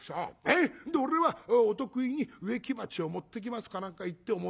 で俺は『お得意に植木鉢を持ってきます』か何か言って表へ出るよ。